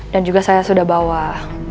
dan juga saya sudah bawa bola bola apa untuk mereka